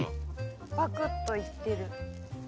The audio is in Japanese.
パクっといってる。